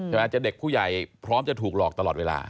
จะเด็กผู้ใหญ่พร้อมจะถูกหลอกตลอดเวลา